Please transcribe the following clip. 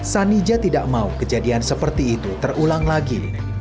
sanija tidak mau kejadian seperti itu terulang lagi